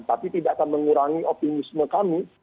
tapi tidak akan mengurangi optimisme kami